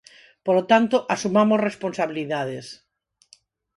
Polo tanto, asumamos responsabilidades.